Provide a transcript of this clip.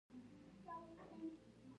هغوی په سپین رڼا کې پر بل باندې ژمن شول.